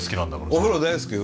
お風呂大好きよ。